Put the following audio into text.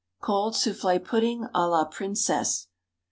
_Cold Soufflé Pudding à la Princesse.